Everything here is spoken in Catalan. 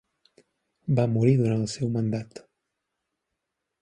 Va morir durant el seu mandat.